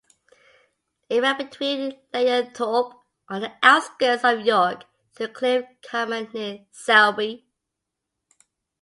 It ran between Layerthorpe on the outskirts of York to Cliffe Common near Selby.